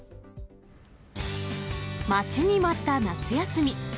待ちに待った夏休み。